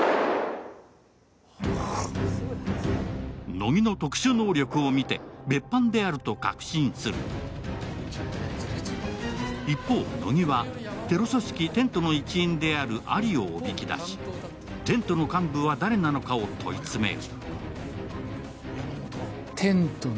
乃木の特殊能力を見て別班であると確信する一方、乃木はテロ組織テントの一員であるアリをおびき出し、テントの幹部は誰なのかを問い詰める。